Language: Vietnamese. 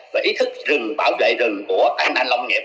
và ý thức rừng bảo vệ rừng của anh anh long nghiệp